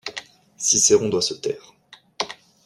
Cicéron doit se taire.